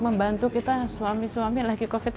membantu kita suami suami lagi covid